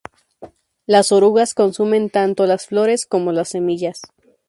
Las orugas consumen tanto las flores como las semillas.